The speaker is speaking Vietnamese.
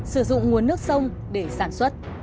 sử dụng nguồn nước sông để sản xuất